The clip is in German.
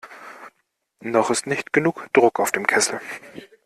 Noch ist nicht genug Druck auf dem Kessel.